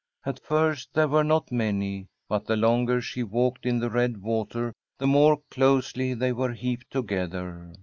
At first there were not many, but the longer she walked in tlie red water the more closely they were heaped together.